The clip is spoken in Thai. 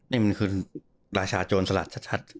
นี่มันคือราชาโจรสลัดชัด